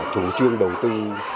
chủ trương đầu tư